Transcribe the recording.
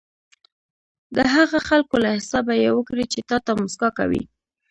د هغه خلکو له حسابه یې وکړئ چې تاته موسکا کوي.